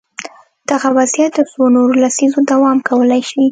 دغه وضعیت د څو نورو لسیزو دوام کولای شي.